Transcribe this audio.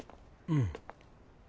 うん。